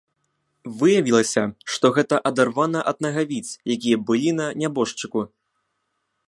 Выявілася, што гэта адарвана ад нагавіц, якія былі на нябожчыку.